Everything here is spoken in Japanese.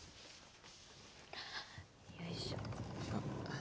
よいしょ。